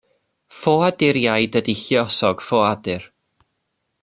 Ffoaduriaid ydy lluosog ffoadur.